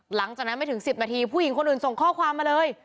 หลังจากนั้นไม่ถึง๑๐นาทีผู้หญิงคนอื่นส่งข้อความมาเลย